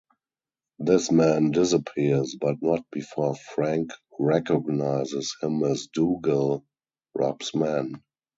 This man disappears, but not before Frank recognizes him as Dougal, Rob's man.